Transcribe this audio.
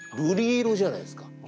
瑠璃色じゃないですか。